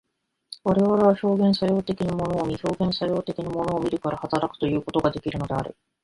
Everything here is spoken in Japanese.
我々は表現作用的に物を見、表現作用的に物を見るから働くということができるのである。